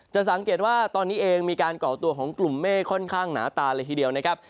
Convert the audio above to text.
จะสังเกตว่าตอนนี้เองมีการก่อตัวของกลุ่มเมฆค่อนข้างหนาตาเลยทีเดียวนะครับ